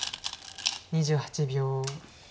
２８秒。